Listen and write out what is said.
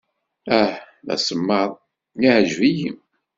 Ah, d asemmaḍ. Yeɛjeb-iyi.